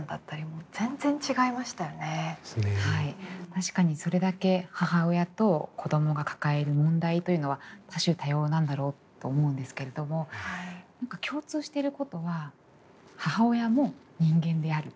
確かにそれだけ母親と子供が抱える問題というのは多種多様なんだろうと思うんですけれども何か共通してることは母親も人間である。